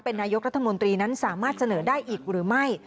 นายกรัฐมนตรีนั้นสามารถเสนอได้อีกหรือไม่